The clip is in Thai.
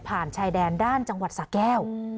ชายแดนด้านจังหวัดสะแก้ว